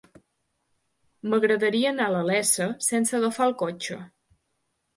M'agradaria anar a la Iessa sense agafar el cotxe.